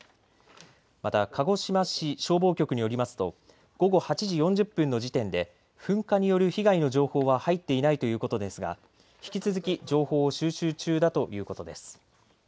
また鹿児島市消防局によりますと午後８時４０分の時点で噴火による被害の情報は入っていないということですが引き続き、情報を収集中だということです。